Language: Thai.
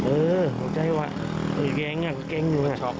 โอ้ใจแล้วฮะแกงนะแกงดูแล